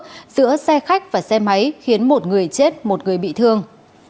giữa xe khách và xe máy khiến một người chết một người bị thương